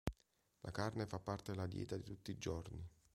La carne fa parte della dieta di tutti i giorni.